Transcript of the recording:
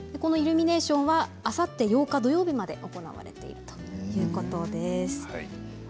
イルミネーションはあさってまで８日土曜日まで行われているということです。